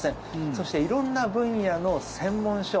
そして、色んな分野の専門書。